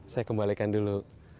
saya kembalikan dulu